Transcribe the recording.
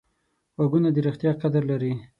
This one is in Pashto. غوږونه د ریښتیا قدر لري